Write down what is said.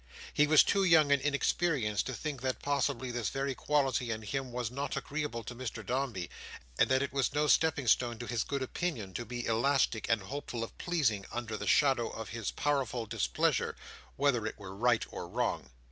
He was too young and inexperienced to think, that possibly this very quality in him was not agreeable to Mr Dombey, and that it was no stepping stone to his good opinion to be elastic and hopeful of pleasing under the shadow of his powerful displeasure, whether it were right or wrong.